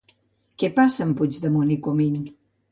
Què passa amb Puigdemont i Comín?